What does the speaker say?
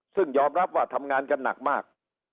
ซึ่งยอมรับว่าทำงานกันหนักมาก